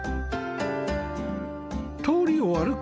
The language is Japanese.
通りを歩く